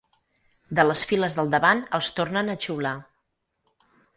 De les files del davant els tornen a xiular.